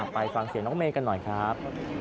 ไปฟังเสียงน้องเมย์กันหน่อยครับ